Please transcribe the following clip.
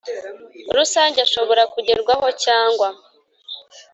rusange ashobora kugerwaho cyangwa